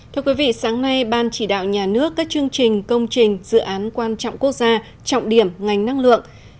thưa quý vị sáng nay ban chỉ đạo nhà nước các chương trình công trình dự án quan trọng quốc gia trọng điểm ngành năng lượng